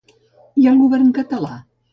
I el govern català?